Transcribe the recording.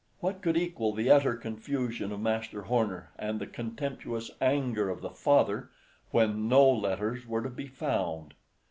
What could equal the utter confusion of Master Horner and the contemptuous anger of the father, when no letters were to be found!